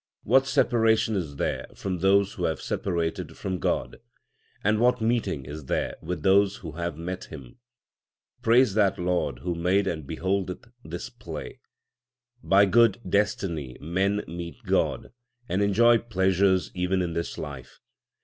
What separation is there from those who have separated from God ? and what meeting is there with those who have met Him ? Praise that Lord who made and beholdeth this play. By good destiny men meet God and enjoy pleasures even in this life.